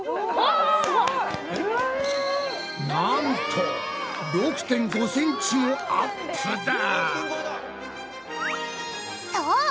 なんと６．５ｃｍもアップだ！